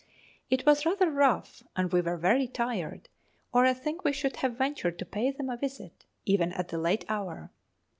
It was rather rough, and we were very tired, or I think we should have ventured to pay them a visit, even at that late hour.